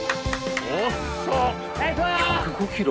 遅っ１０５キロ？